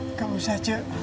nggak usah cik